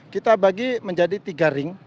kita bagi menjadi tiga ring